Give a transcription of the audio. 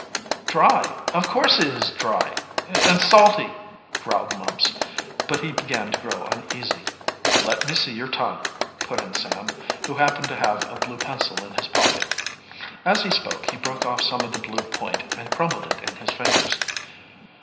"Dry, of course it is dry and salty," growled Mumps, but he began to grow uneasy. "Let me see your tongue," put in Sam, who happened to have a blue pencil in his pocket. As he spoke he broke off some of the blue point and crumbled it in his fingers.